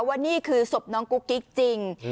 ว่านี่คือศพน้องกุ๊กกิ๊กจริง